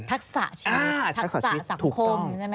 ทักษะชีวิตทักษะสังคม